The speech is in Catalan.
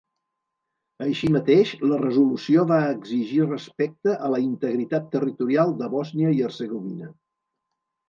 Així mateix, la resolució va exigir respecte a la integritat territorial de Bòsnia i Hercegovina.